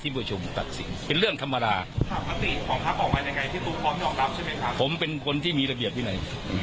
ผมเป็นคนที่มีระเบียบวินัย